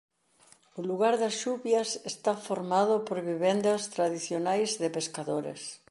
O lugar das Xubias está formado por vivendas tradicionais de pescadores.